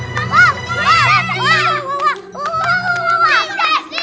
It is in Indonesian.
bentar enggak enak banget